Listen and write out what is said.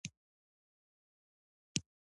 ونې او بوټي د طبیعت ښکلا زیاتوي